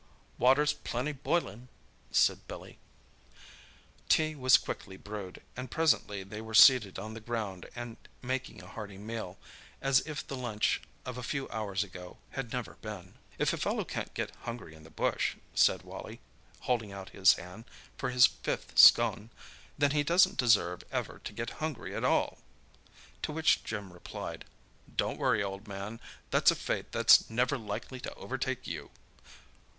"Water's plenty boilin'," said Billy Tea was quickly brewed, and presently they were seated on the ground and making a hearty meal, as if the lunch of a few hours ago had never been. "If a fellow can't get hungry in the bush," said Wally, holding out his hand for his fifth scone, "then he doesn't deserve ever to get hungry at all!" To which Jim replied, "Don't worry, old man—that's a fate that's never likely to overtake you!"